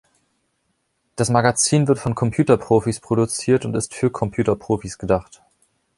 Das Magazin wird von Computerprofis produziert und ist für Computerprofis gedacht.